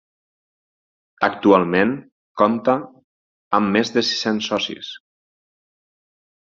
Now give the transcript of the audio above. Actualment compta amb més de sis-cents socis.